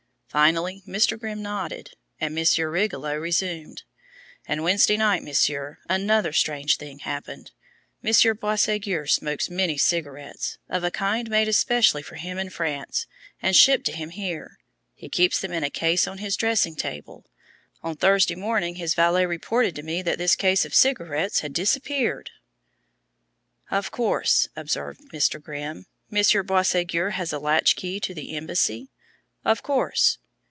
Finally, Mr. Grimm nodded, and Monsieur Rigolot resumed: "And Wednesday night, Monsieur, another strange thing happened. Monsieur Boisségur smokes many cigarettes, of a kind made especially for him in France, and shipped to him here. He keeps them in a case on his dressing table. On Thursday morning his valet reported to me that this case of cigarettes had disappeared!" "Of course," observed Mr. Grimm, "Monsieur Boisségur has a latch key to the embassy?" "Of course."